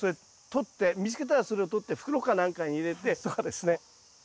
捕って見つけたらそれを捕って袋か何かに入れてとかですね。